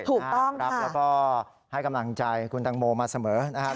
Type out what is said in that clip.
รับแล้วก็ให้กำลังใจคุณตังโมมาเสมอนะครับ